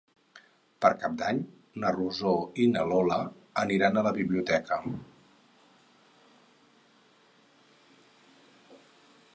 Per Cap d'Any na Rosó i na Lola aniran a la biblioteca.